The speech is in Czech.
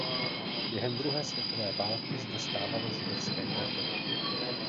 Během druhé světové války zde stávalo židovské ghetto.